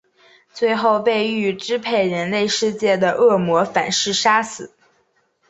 最后被欲支配人类世界的恶魔反噬杀死。